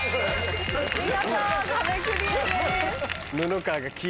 見事壁クリアです。